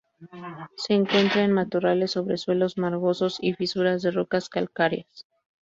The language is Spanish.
Se encuentra en matorrales sobre suelos margosos y fisuras de rocas calcáreas.